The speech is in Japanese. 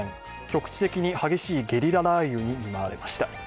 局地的に激しいゲリラ雷雨に見舞われました。